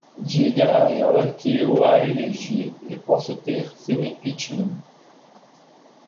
Diga a ela que eu a elegi e posso ter seu impeachment!